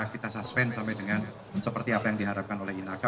kita suspend sampai dengan seperti apa yang diharapkan oleh inaka